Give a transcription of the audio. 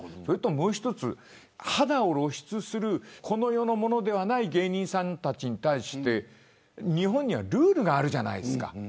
もう一つ、肌を露出するこの世のものではない芸人さんたちに対して日本にはルールがあるじゃないですか。